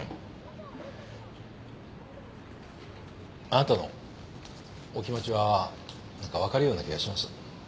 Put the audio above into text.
あなたのお気持ちは何か分かるような気がします。